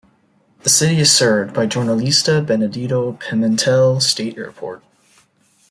The city is served by Jornalista Benedito Pimentel State Airport.